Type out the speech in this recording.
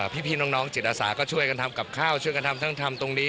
พี่น้องจิตอาสาก็ช่วยกันทำกับข้าวช่วยกันทำทั้งทำตรงนี้